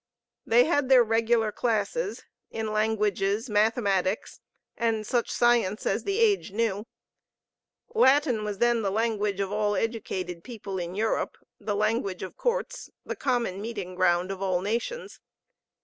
They had their regular classes, in languages, mathematics, and such science as the age knew. Latin was then the language of all educated people in Europe, the language of courts, the common meeting ground of all nations.